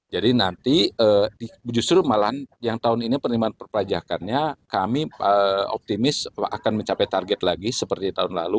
jadi nanti justru malahan yang tahun ini penerimaan perpajakannya kami optimis akan mencapai target lagi seperti tahun lalu